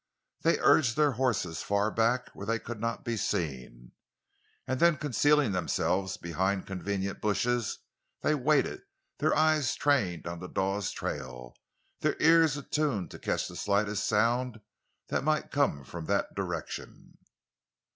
They urged their horses far back, where they could not be seen. And then, concealing themselves behind convenient bushes, they waited, their eyes trained on the Dawes trail, their ears attuned to catch the slightest sound that might come from that direction.